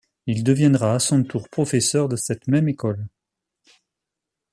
Il deviendra à son tour professeur de cette même école.